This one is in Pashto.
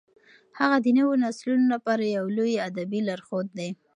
هغه د نوو نسلونو لپاره یو لوی ادبي لارښود دی.